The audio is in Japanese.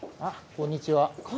こんにちは。